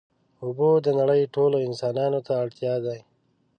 اوبه د نړۍ ټولو انسانانو ته اړتیا دي.